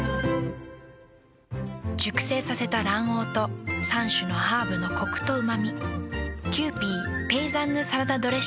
熟成させた卵黄と３種のハーブのコクとうま味。